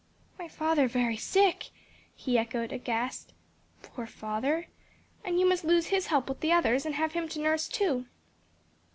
"My father very sick," he echoed, aghast; "poor father! and you must lose his help with the others, and have him to nurse, too!"